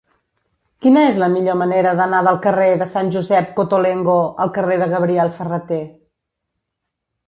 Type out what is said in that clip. Quina és la millor manera d'anar del carrer de Sant Josep Cottolengo al carrer de Gabriel Ferrater?